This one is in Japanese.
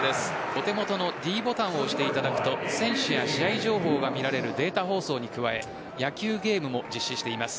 お手元のｄボタンを押していただくと選手や試合情報が見られるデータ放送に加え野球ゲームも実施しています。